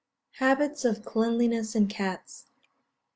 ] _Habits of Cleanliness in Cats.